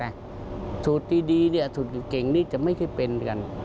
แต่สูตรดีสูตรเก่งนี้จะไม่เคยเป็นกัน